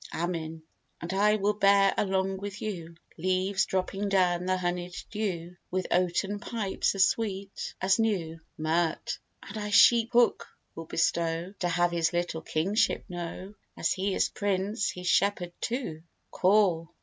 AMIN. And I will bear along with you Leaves dropping down the honied dew, With oaten pipes, as sweet, as new. MIRT. And I a sheep hook will bestow To have his little King ship know, As he is Prince, he's Shepherd too. CHOR.